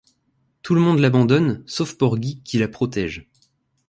Tout le monde l'abandonne, sauf Porgy, qui la protège.